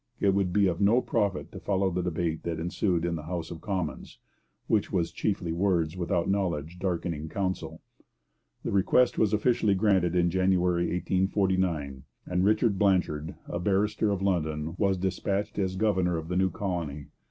It would be of no profit to follow the debate that ensued in the House of Commons, which was chiefly 'words without knowledge darkening counsel.' The request was officially granted in January 1849; and Richard Blanshard, a barrister of London, was dispatched as governor of the new colony.